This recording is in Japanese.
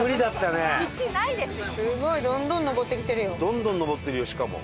どんどん登ってるよしかも。